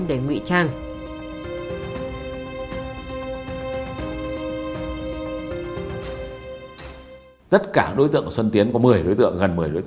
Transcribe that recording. để ngụy trang